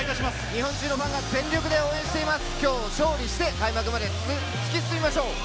日本中のファンが全力で応援しています。